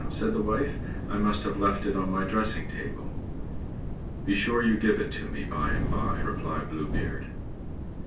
said the wife. "I must have left it on my dressing table." "Be sure you give it me by and by," replied Blue Beard.